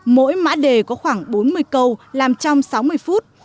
mỗi mã đề có khoảng bốn mươi câu làm trong sáu mươi phút